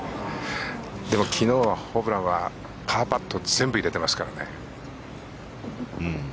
でも昨日はホブランはパーパット全部入れてますからね。